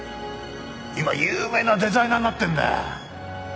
今有名なデザイナーになってんだよ。